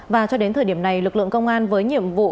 và cho đến thời điểm này lực lượng công an với nhiệm vụ